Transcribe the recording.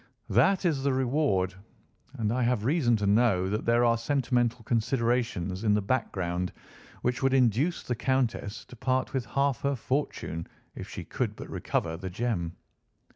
"That is the reward, and I have reason to know that there are sentimental considerations in the background which would induce the Countess to part with half her fortune if she could but recover the gem."